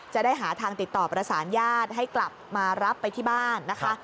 จะได้หาทางติดต่อประสานญาติให้กลับมารับไปที่บ้านนะคะ